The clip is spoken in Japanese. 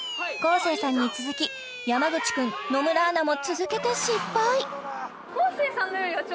昴生さんに続き山口くん野村アナも続けて失敗昴